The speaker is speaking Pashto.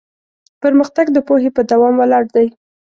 پرمختګ د پوهې په دوام ولاړ دی.